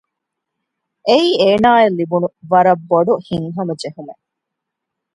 އެއީ އޭނާއަށް ލިބުނު ވަރަށް ބޮޑު ހިތްހަމަޖެހުމެއް